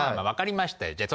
分かりましたよ。